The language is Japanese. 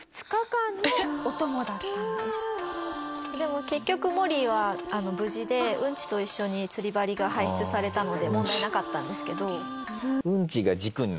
でも結局モリーは無事でうんちと一緒に釣り針が排出されたので問題なかったんですけど。